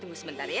tunggu sebentar ya